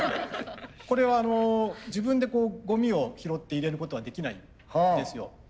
これは自分でゴミを拾って入れることはできないんですよ。